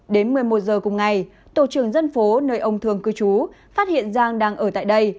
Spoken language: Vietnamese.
đến một mươi một giờ cùng ngày tổ trưởng dân phố nơi ông thường cư trú phát hiện giang đang ở tại đây